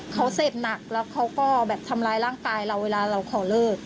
เขาเสพหนักแล้วเขาก็แบบทำร้ายร่างกายเราเวลาเราขอเลิก